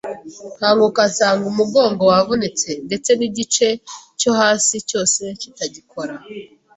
nkanguka nsanga umugongo wavunitse ndetse n’igice cyo hasi cyose kitagikora